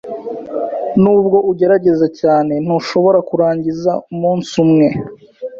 Nubwo ugerageza cyane, ntushobora kurangiza umunsi umwe.